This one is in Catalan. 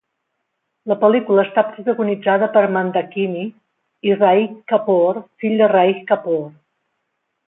La pel·lícula està protagonitzada per Mandakini i Rajiv Kapoor, fill de Raj Kapoor.